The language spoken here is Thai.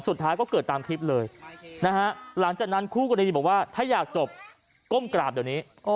สุดท้ายก็เกิดตามคลิปเลยนะฮะหลังจากนั้นคู่กรณีบอกว่าถ้าอยากจบก้มกราบเดี๋ยวนี้